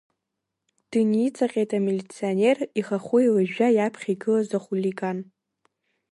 Дыниҵаҟьеит амилиционер, ихахәы еилажәжәа иаԥхьа игылаз ахулиган.